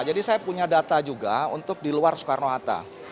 jadi saya punya data juga untuk di luar soekarno hatta